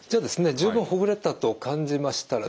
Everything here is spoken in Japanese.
十分ほぐれたと感じましたらですね